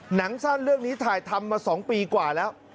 หนังสั้นเรื่องนี้ถ่ายทำมา๒ปีกว่าแล้ว